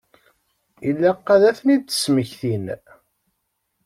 Ilaq ad ten-id-smektin.